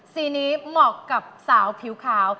สีนี้เหมาะกับสาวผิวขาว